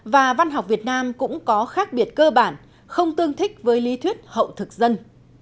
và văn học việt nam cũng có khác biệt cơ bản không tương thích với lý thuyết hậu thực dân